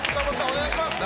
お願いします！